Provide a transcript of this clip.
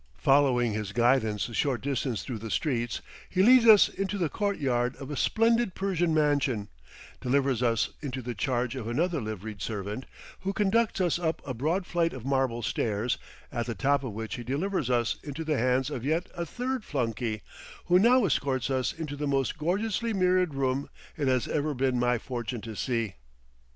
Following his guidance a short distance through the streets, he leads us into the court yard of a splendid Persian mansion, delivers us into the charge of another liveried servant, who conducts us up a broad flight of marble stairs, at the top of which he delivers us into the hands of yet a third flunky, who now escorts us into the most gorgeously mirrored room it has ever been my fortune to see.